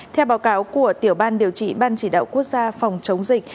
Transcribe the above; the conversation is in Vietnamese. theo báo cáo của tiểu ban điều trị ban chỉ đạo quốc gia phòng chống dịch